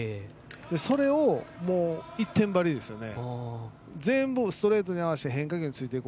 それが一点張りですよね。